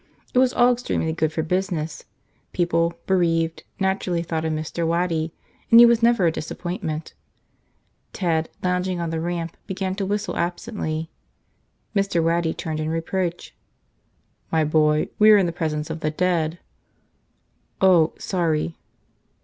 It was all extremely good for business. People, bereaved, naturally thought of Mr. Waddy. And he was never a disappointment. Ted, lounging on the ramp, began to whistle absently. Mr. Waddy turned in reproach. "My boy, we are in the presence of the dead." "Oh. Sorry."